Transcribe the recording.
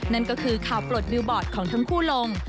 นั่นก็คือข่าวปลดบิลบอร์ดของทั้งคู่ลง